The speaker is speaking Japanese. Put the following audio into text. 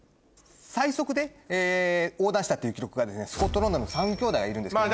最速で横断したっていう記録がですねスコットランドの３兄弟がいるんですけども。